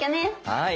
はい！